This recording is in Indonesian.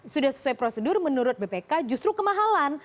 sudah sesuai prosedur menurut bpk justru kemahalan